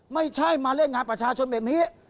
ไม่ใช่มาเล่นงานประชาชนแบบนี้